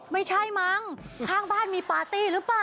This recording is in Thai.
ไม่ใช่มั้งข้างบ้านมีปาร์ตี้หรือเปล่า